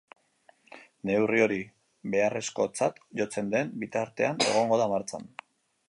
Neurri hori beharrezkotzat jotzen den bitartean egongo da martxan.